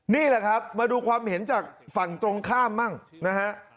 นี่แหละครับมาดูความเห็นจากฝั่งตรงข้ามบ้างนะฮะ